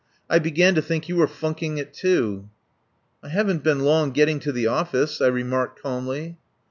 I began to think you were funking it, too. ..." "I haven't been long getting to the office," I remarked calmly.